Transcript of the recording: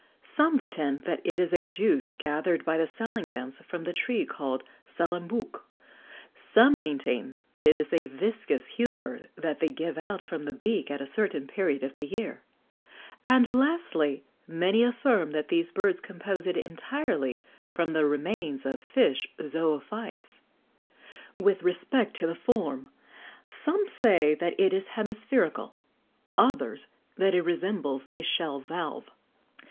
Some pretend that it is a juice gathered by the salangans from the tree called salambouc; some maintain that it is a viscous humour that they give out from the beak at a certain period of the year; and, lastly, many affirm that these birds compose it entirely from the remains of fish zoophytes. With respect to the form, some say that it is hemispherical; others that it resembles a shell valve.